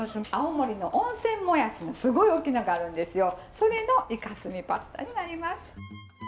それのイカスミパスタになります。